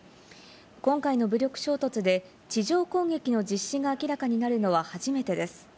今回の武力衝突で地上攻撃の実施が明らかになるのは初めてです。